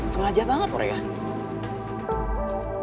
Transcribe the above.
sengaja banget boleh gak